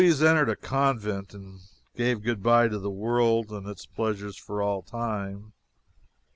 Heloise entered a convent and gave good bye to the world and its pleasures for all time.